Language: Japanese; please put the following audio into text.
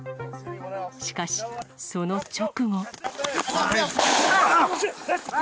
しかし、その直後。